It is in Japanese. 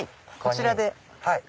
こちらで。